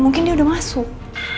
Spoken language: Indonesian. mungkin dia udah masuk